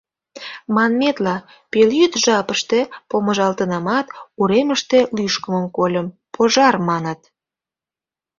Манметла, пелйӱд жапыште помыжалтынамат, уремыште лӱшкымым кольым: «Пожар!» — маныт.